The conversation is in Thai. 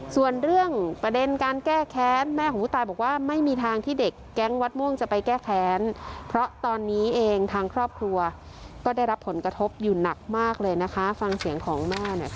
ส่วนเรื่องประเด็นการแก้แค้นแม่ของผู้ตายบอกว่าไม่มีทางที่เด็กแก๊งวัดม่วงจะไปแก้แค้นเพราะตอนนี้เองทางครอบครัวก็ได้รับผลกระทบอยู่หนักมากเลยนะคะฟังเสียงของแม่หน่อยค่ะ